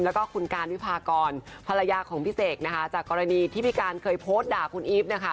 แล้วก็คุณการวิพากรภรรยาของพี่เสกนะคะจากกรณีที่พี่การเคยโพสต์ด่าคุณอีฟเนี่ยค่ะ